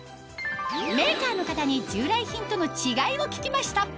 メーカーの方に従来品との違いを聞きました